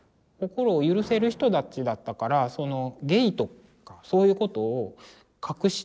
心を許せる人たちだったからゲイとかそういうことを隠し通せなかったんですよ。